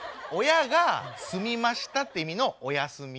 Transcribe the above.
親が済みましたって意味の「親済」。